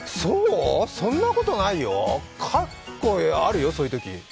そんなことないよ、あるよ、そういうとき。